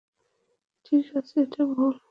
ঠিক আছে, এটা তুলো।